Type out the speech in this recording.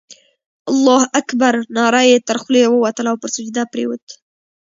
الله اکبر ناره یې تر خولې ووتله او پر سجده پرېوت.